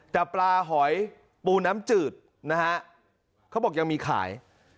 แต่ปลาหอยปูน้ำจืดนะฮะเขาบอกยังมีขาย